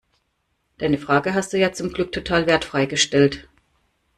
Deine Frage hast du ja zum Glück total wertfrei gestellt.